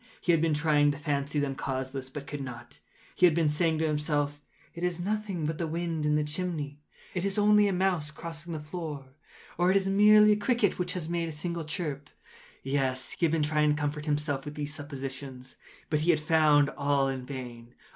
He had been trying to fancy them causeless, but could not. He had been saying to himself—“It is nothing but the wind in the chimney—it is only a mouse crossing the floor,” or “It is merely a cricket which has made a single chirp.” Yes, he had been trying to comfort himself with these suppositions: but he had found all in vain.